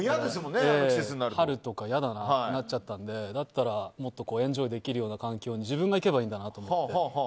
春とか嫌だなってなっちゃったんでだったらもっとエンジョイできるような環境に自分が行けばいいんだなと思って。